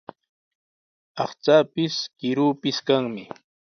Aqchaapis, kiruupis kanmi.